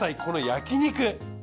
この焼き肉。